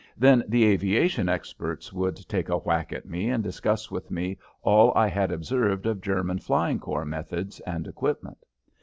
Then the aviation experts would take a whack at me and discuss with me all I had observed of German flying corps methods and equipment.